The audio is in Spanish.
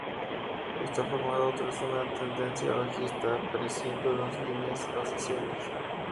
Está formado tras una tendencia bajista, apareciendo dos líneas o sesiones.